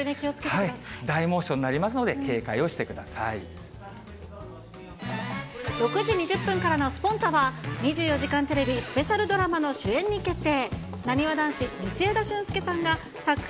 大猛暑になりますので、６時２０分からのスポンタっ！は２４時間テレビスペシャルドラマの主演に決定。